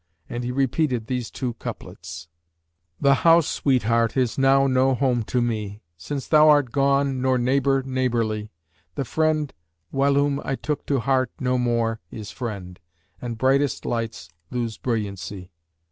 And he repeated these two couplets,[FN#566] 'The house, sweet heart, is now no home to me * Since thou art gone, nor neighbour neighbourly, The friend whilom I took to heart, no more * Is friend, and brightest lights lose brilliancy.'